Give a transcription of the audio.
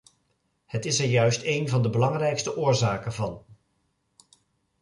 Het is er juist een van de belangrijkste oorzaken van.